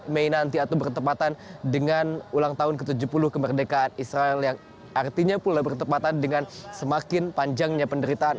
dan ini nanti akan bertempatan dengan ulang tahun ke tujuh puluh kemerdekaan israel yang artinya pula bertempatan dengan semakin panjangnya penderitaan